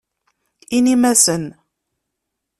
Inim-asen.